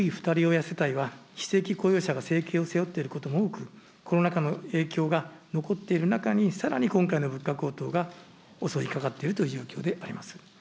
親世帯は、非正規雇用者が生計を背負っていることが多く、コロナ禍の影響が残っている中に、さらに今回の物価高騰が襲いかかっているという状況でございます。